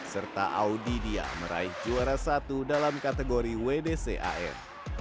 serta audidia meraih juara satu dalam kategori wdc am